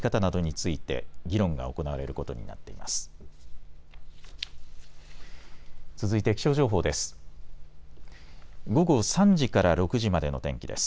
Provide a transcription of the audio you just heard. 続いて気象情報です。